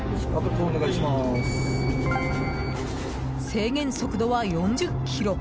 制限速度は４０キロ。